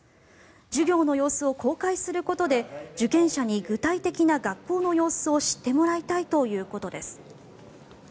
授業の様子を公開することで受験者に具体的な学校の様子を知ってもらいたいということです。